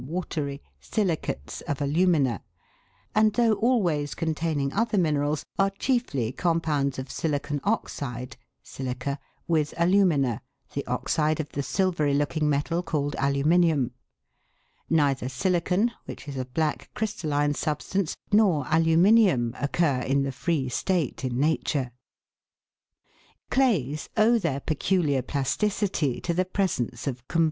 watery silicates of alumina, and though al ways containing other minerals, are chiefly compounds of silicon oxide (silica) with alumina, the oxide of the silvery looking metal called aluminium ; neither silicon, which is a black crystalline substance, nor aluminium, occur in the free n8 THE WORLDS LUMBER ROOM.